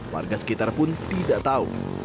warga sekitar pun tidak tahu